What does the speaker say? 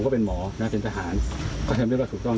การทำให้มันตามกฎหมายจะพูดมาก